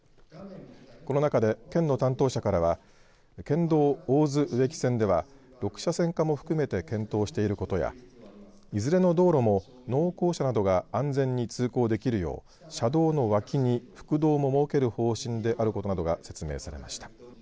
この中で県の担当者からは県道大津植木線では６車線化も含めて検討していることやいずれの道路も農耕車などが安全に通行できるよう車道の脇に副道も設ける方針であることなどが説明されました。